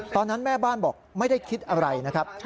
ตอนนั้นแม่บ้านบอกไม่ได้คิดอะไรนะครับ